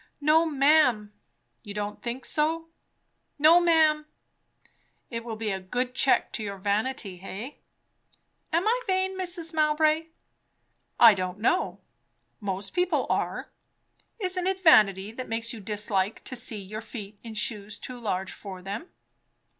"No, ma'am." "You don't think so." "No, ma'am." "It will be a good check to your vanity, eh?" "Am I vain, Mrs. Mowbray?" "I don't know! most people are. Isn't it vanity, that makes you dislike to see your feet in shoes too large for them?"